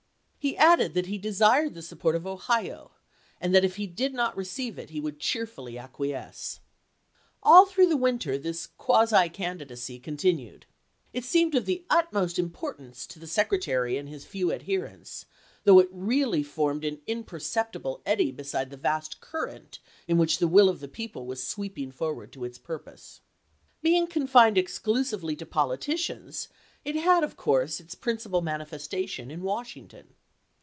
He added that he desired the support of Ohio, and that if he did Ibid., p. 560. not receive it he would cheerfully acquiesce. All through the winter this quasi candidacy THE POMEEOY CIKCULAE 315 continued. It seemed of the utmost importance chap. xii. to the Secretary and his few adherents, though it really formed an imperceptible eddy beside the vast current in which the will of the people was sweeping forward to its purpose. Being confined exclusively to politicians, it had, of course, its prin cipal manifestation in Washington.